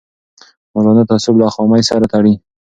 مولانا تعصب له خامۍ سره تړي